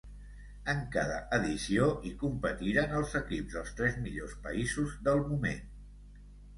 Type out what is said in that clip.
En cada edició hi competiren els equips dels tres millors països del moment.